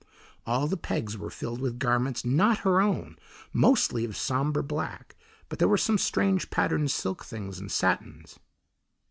All the pegs were filled with garments not her own, mostly of somber black, but there were some strange patterned silk things and satins.